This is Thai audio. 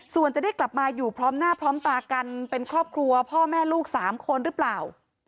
ส่วนจะได้กลับมาอยู่พร้อมหน้าพร้อมตากันเป็นครอบครัวพ่อแม่ลูก๓คนหรือเปล่า